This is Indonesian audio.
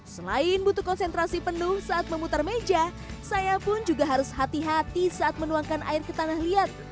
selain butuh konsentrasi penuh saat memutar meja saya pun juga harus hati hati saat menuangkan air ke tanah liat